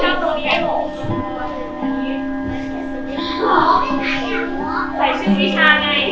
ถ้าแต่ทัพยาของทัพเจ้าทั้งหลาย